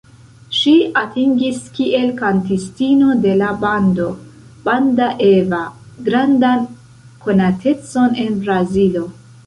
Ŝi atingis kiel kantistino de la bando "Banda Eva" grandan konatecon en Brazilo.